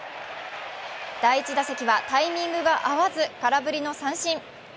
第１打席はタイミングが合わず空振りの三振。